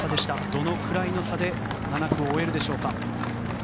どのくらいの差で７区を終えるでしょうか。